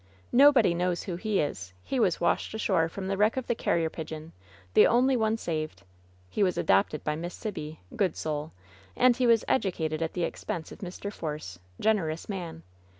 "Nobody knows who he is! He was washed ashore from the wreck of the Carrier Pigeon, the only one saved. He was adopted by Miss Sibby, good soul, and he was educated at the expense of Mr. Force, generous man!